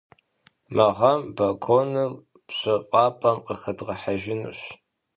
Мы гъэм балконыр пщэфӏапӏэм къыхэдгъэхьэжынущ.